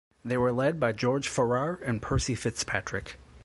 They were led by George Farrar and Percy Fitzpatrick.